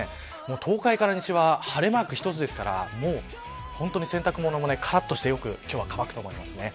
東海から西は晴れマーク１つですから洗濯物もからっとして今日は、よく乾くと思います。